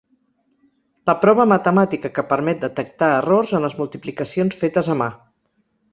La prova matemàtica que permet detectar errors en les multiplicacions fetes a mà.